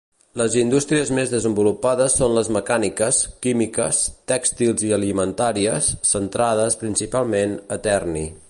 Les indústries més desenvolupades són les mecàniques, químiques, tèxtils i alimentàries, centrades, principalment, a Terni.